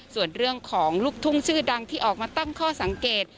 ส่วนเรื่องของลูกทุ่งชื่อดังที่ออกมาตั้งข้อสังเกต